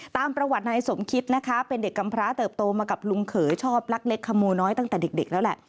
ตามประวัตินายสมคิดนะคะเป็นเด็กกำพระเติบโตมากับลุงเขยชอบลักเล็กขโมยน้อยตั้งแต่เด็กแล้วแหละ